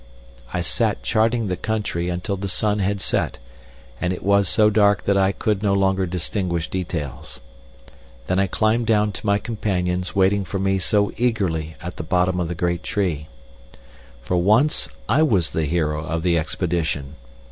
I sat charting the country until the sun had set and it was so dark that I could no longer distinguish details. Then I climbed down to my companions waiting for me so eagerly at the bottom of the great tree. For once I was the hero of the expedition.